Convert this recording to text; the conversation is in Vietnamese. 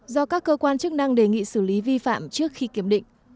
do các cơ quan chức năng đề nghị xử lý vi phạm trước khi kiểm định